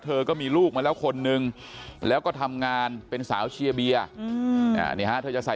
เธอก็มีลูกมาแล้วคนนึงแล้วก็ทำงานเป็นสาวเชียร์เบียร์เธอจะใส่